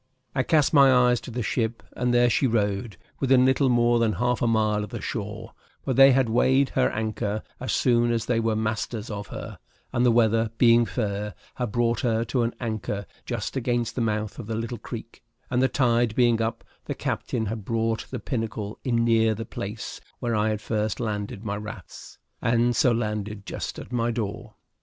I cast my eyes to the ship, and there she rode, within little more than half a mile of the shore; for they had weighed her anchor as soon as they were masters of her, and, the weather being fair, had brought her to an anchor just against the mouth of the little creek; and, the tide being up, the captain had brought the pinnace in near the place where I had first landed my rafts, and so landed just at my door.